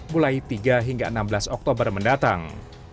mulai tiga hingga enam belas oktober mendatang